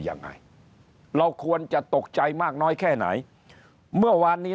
ยังไงเราควรจะตกใจมากน้อยแค่ไหนเมื่อวานนี้